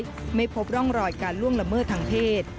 ร่องรอยถูกทำร้ายไม่พบร่องรอยการล่วงละเมืองทางเพศ